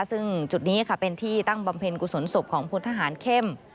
ซึ่งจุดนี้ค่ะเป็นที่ตั้งบำเพ็ญกุศลศพของพลทหารเข้ม